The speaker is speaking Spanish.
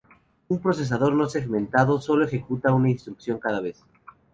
Un procesador no segmentado sólo ejecuta una instrucción cada vez.